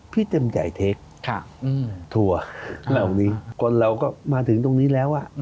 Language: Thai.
เต็มใจเทคทัวร์เหล่านี้คนเราก็มาถึงตรงนี้แล้ว